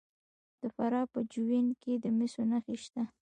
د فراه په جوین کې د مسو نښې شته.